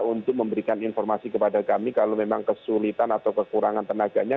untuk memberikan informasi kepada kami kalau memang kesulitan atau kekurangan tenaganya